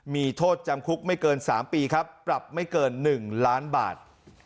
มีโทษจำคุกไม่เกิน๓ปีครับปรับไม่เกิน๑ล้านบาท